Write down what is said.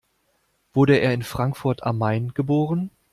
Wurde er in Frankfurt am Main geboren?